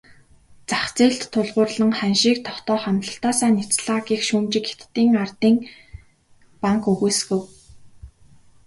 Зах зээлд тулгуурлан ханшийг тогтоох амлалтаасаа няцлаа гэх шүүмжийг Хятадын ардын банк үгүйсгэв.